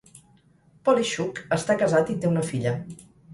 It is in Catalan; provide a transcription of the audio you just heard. Poleshchuk està casat i té una filla.